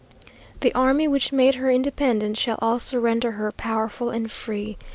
The army which made her independent shall also render her powerful and free.